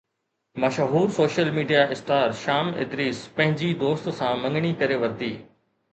مشهور social media star Sham Idrees پنهنجي دوست سان مڱڻي ڪري ورتي